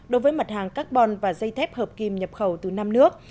đối với mặt hàng carbon và dây thép hợp kim nhập khẩu từ năm nước